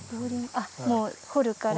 あっもう掘るから。